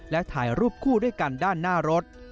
และถ่ายรูปคู่ด้วยกันด้านหน้ารถ